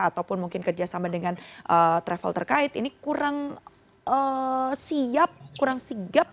ataupun mungkin kerjasama dengan travel terkait ini kurang siap kurang sigap